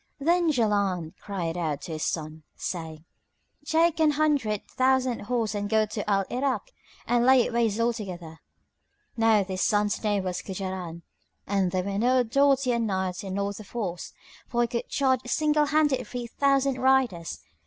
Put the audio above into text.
Then Jaland cried aloud to his son, saying, "Take an hundred thousand horse and go to Al Irak and lay it waste altogether." Now this son's name was Kúraján and there was no doughtier knight in all the force; for he could charge single handed three thousand riders.